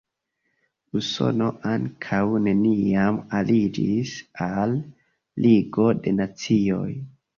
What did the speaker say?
Usono ankaŭ neniam aliĝis al Ligo de Nacioj.